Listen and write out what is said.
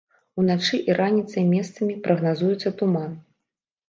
Уначы і раніцай месцамі прагназуецца туман.